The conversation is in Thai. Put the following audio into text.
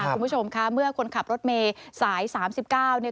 คุณผู้ชมคะเมื่อคนขับรถเมษายสามสิบเก้าเนี่ย